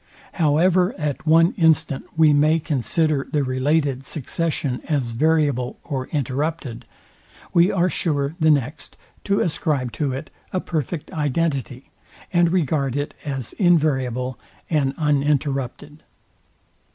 However at one instant we may consider the related succession as variable or interrupted, we are sure the next to ascribe to it a perfect identity, and regard it as enviable and uninterrupted.